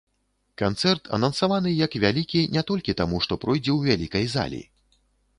Канцэрт анансаваны як вялікі не толькі таму, што пройдзе ў вялікай залі.